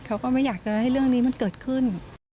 เขาก็ไม่อยากจะให้เรื่องนี้มันเกิดขึ้น